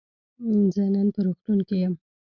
زه نن په روغتون کی یم.